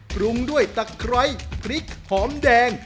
ปรุงด้วยตะไคร้พริกหอมแดง